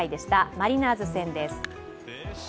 マリナーズ戦です。